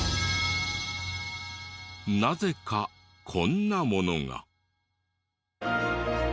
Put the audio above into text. なぜかこんなものが。